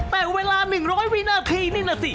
แต่เวลา๑๐๐วินาทีนี่น่ะสิ